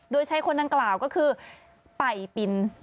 โดยใช้คนดังกล่าวก็คือป่ายปิน